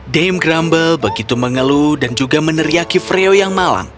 dame grumble begitu mengeluh dan juga meneriaki freo yang malang